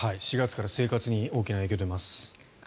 ４月から生活に大きな影響が出ます。